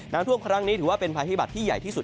ท่วมครั้งนี้ถือว่าเป็นภัยพิบัตรที่ใหญ่ที่สุด